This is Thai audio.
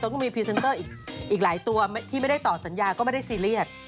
ก็มีพรีเซนเตอร์อีกหลายตัวที่ไม่ได้ต่อสัญญาก็ไม่ได้ซีเรียส